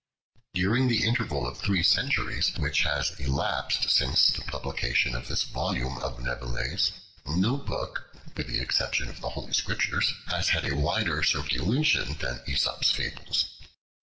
During the interval of three centuries which has elapsed since the publication of this volume of Nevelet's, no book, with the exception of the Holy Scriptures, has had a wider circulation than Aesop's Fables.